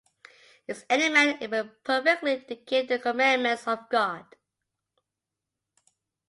Is any man able perfectly to keep the commandments of God?